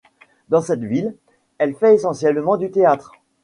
Dans cette ville, elle fait essentiellement du théâtre.